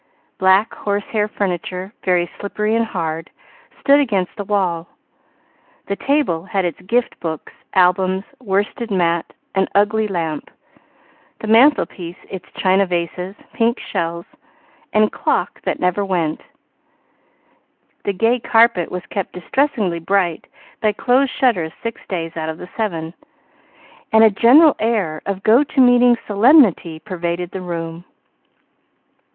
Black horse hair furniture, very slippery and hard, stood against the wall; the table had its gift books, albums, worsted mat and ugly lamp; the mantel piece its china vases, pink shells, and clock that never went; the gay carpet was kept distressingly bright by closed shutters six days out of the seven, and a general air of go to meeting solemnity pervaded the room.